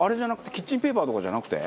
キッチンペーパーとかじゃなくて？